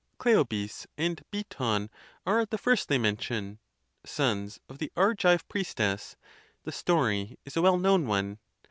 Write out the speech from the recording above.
Cleobis and Biton are the first they. mention, sons of the Argive priestess; the story is a well known one.